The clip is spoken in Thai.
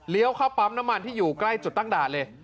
เข้าปั๊มน้ำมันที่อยู่ใกล้จุดตั้งด่านเลย